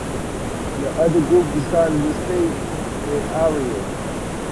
The other group decided to stay in Ariel.